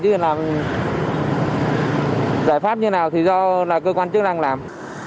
chứ làm giải pháp như nào thì do cơ quan chức năng làm